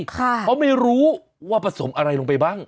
เพราะไม่รู้ว่าผสมอะไรลงไปบ้าง